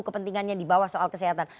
kepentingannya di bawah soal kesehatan